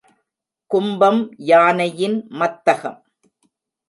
கும்பம் யானையின் மத்தகம்.